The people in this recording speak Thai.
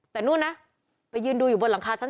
แต่นู่นนะไปยืนดูอยู่บนหลังคาชั้น๓